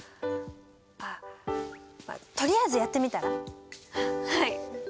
あっまあとりあえずやってみたら？ははい。